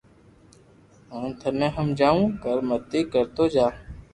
ھين ٿني ھمجاوُ ڪو متي ڪرتو جا